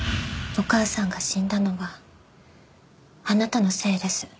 お母さんが死んだのはあなたのせいです。